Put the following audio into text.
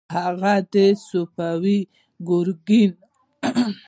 هغه د صفوي واکمن ګرګین خان لخوا اصفهان ته ولیږل شو.